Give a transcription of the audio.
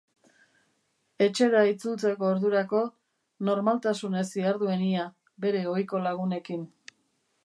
Etxera itzultzeko ordurako, normaltasunez ziharduen ia bere ohiko lagunekin.